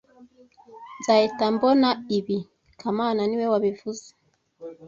Nzahita mbona ibi kamana niwe wabivuze